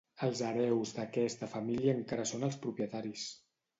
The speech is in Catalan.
Els hereus d'aquesta família encara són els propietaris.